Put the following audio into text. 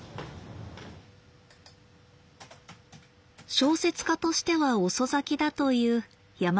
小説家としては遅咲きだという山口さん。